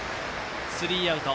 スリーアウト。